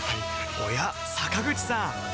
おや坂口さん